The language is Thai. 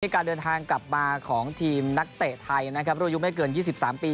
นี่การเดินทางกลับมาของทีมนักเตะไทยนะครับรวมยุคไม่เกินยี่สิบสามปี